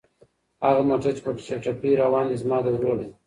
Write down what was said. هغه موټر چې په چټکۍ روان دی زما د ورور دی.